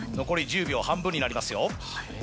残り１０秒半分になりますよ。